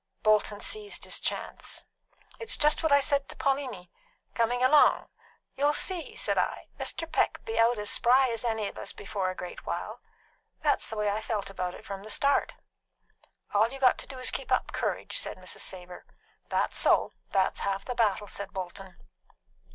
Bolton seized his chance. "It's just what I said to Pauliny, comin' along. 'You'll see,' said I, 'Mr. Peck'll be out as spry as any of us before a great while.' That's the way I felt about it from the start." "All you got to do is to keep up courage," said Mrs. Savor. "That's so; that's half the battle," said Bolton.